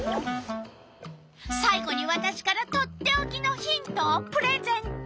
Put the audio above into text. さい後にわたしからとっておきのヒントをプレゼント。